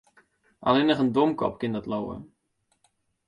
Allinnich in domkop kin dat leauwe.